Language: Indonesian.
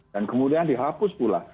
dan kemudian dihapus pula